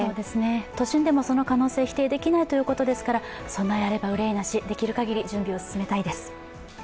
都心でもその可能性が否定できないということですから、備えあれば憂いなし、できるかぎり準備を進めたいです。